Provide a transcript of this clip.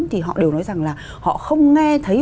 thì họ đều nói rằng là họ không nghe thấy